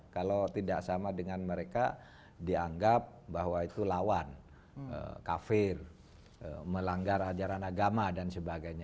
kalau tidak sama dengan mereka dianggap bahwa itu lawan kafir melanggar ajaran agama dan sebagainya